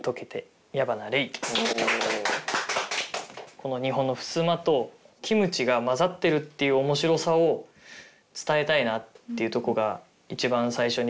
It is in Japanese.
この日本のふすまとキムチが混ざってるっていう面白さを伝えたいなっていうとこが一番最初に出てきて。